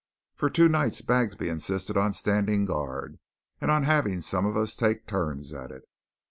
For two nights Bagsby insisted on standing guard, and on having some of us take turns at it.